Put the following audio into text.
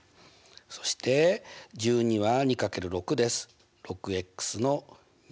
そして１２は２×６です。